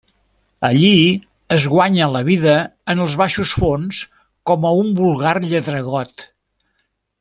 Allí es guanya la vida en els baixos fons com a un vulgar lladregot.